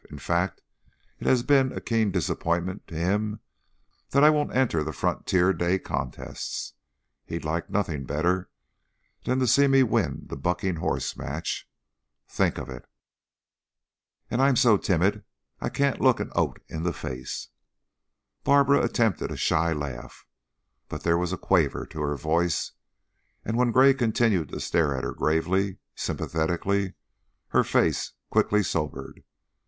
In fact, it has been a keen disappointment to him that I won't enter the Frontier Day contests. He'd like nothing better than to see me win the bucking horse match. Think of it! And I'm so timid I can't look an oat in the face!" Barbara attempted a shy laugh, but there was a quaver to her voice, and when Gray continued to stare at her gravely, sympathetically, her face quickly sobered.